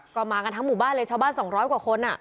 ก็มากันทั้งหมู่บ้านเลยชาวบ้าน๒๐๐กว่าคน